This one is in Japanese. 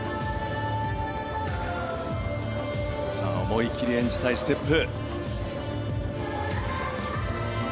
思い切り演じたいステップ。